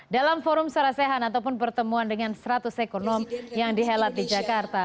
dalam forum sarasehan ataupun pertemuan dengan seratus ekonom yang dihelat di jakarta